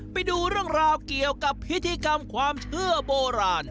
ไปดูเรื่องราวเกี่ยวกับพิธีกรรมความเชื่อโบราณ